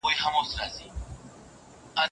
په ښځو کي د انصارو ښې ښځي دي.